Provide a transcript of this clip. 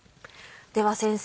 では先生